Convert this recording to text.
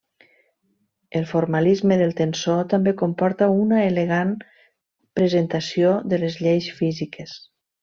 El formalisme del tensor també comporta una elegant presentació de les lleis físiques.